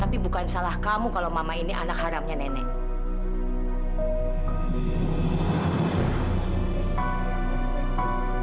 tapi bukan salah kamu kalau mama ini anak haramnya nenek